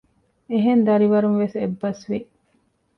އެހެން ދަރިވަރުން ވެސް އެއްބަސްވި